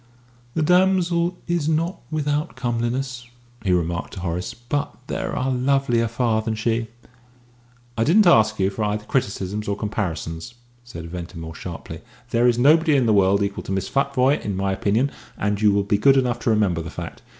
"The damsel is not without comeliness," he remarked to Horace; "but there are lovelier far than she." "I didn't ask you for either criticisms or comparisons," said Ventimore, sharply; "there is nobody in the world equal to Miss Futvoye, in my opinion, and you will be good enough to remember that fact.